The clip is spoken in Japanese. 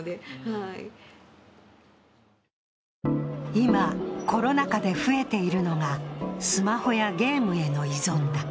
今、コロナ禍で増えているのがスマホやゲームへの依存だ。